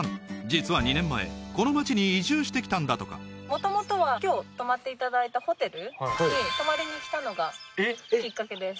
実は２年前この町に移住してきたんだとか元々は今日泊まっていただいたホテルに泊まりに来たのがきっかけです